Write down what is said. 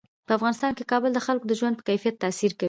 په افغانستان کې کابل د خلکو د ژوند په کیفیت تاثیر کوي.